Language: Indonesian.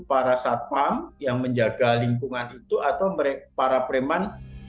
para satpam yang menjaga lingkungan itu atau para preman